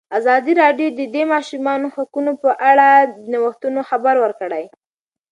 ازادي راډیو د د ماشومانو حقونه په اړه د نوښتونو خبر ورکړی.